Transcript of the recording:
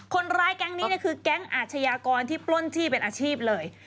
แก๊งนี้คือแก๊งอาชญากรที่ปล้นที่เป็นอาชีพเลย